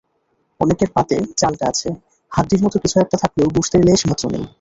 অনেকের পাতে চালটা আছে, হাড্ডির মতো কিছু একটা থাকলেও গোশতের লেশমাত্র নেই।